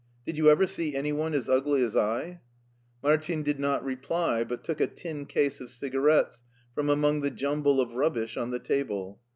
Did you ever see any one as ugly as I ?" Martin did not reply, but took a tin case of ciga rettes from among the jumble of rubbish on the table.